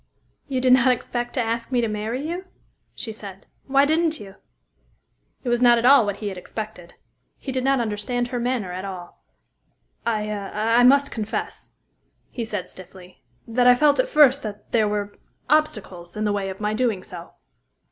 "You did not expect to ask me to marry you?" she said. "Why didn't you?" It was not at all what he had expected. He did not understand her manner at all. "I must confess," he said stiffly, "that I felt at first that there were obstacles in the way of my doing so."